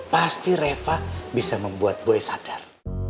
pasti reva bisa membuat boy sadar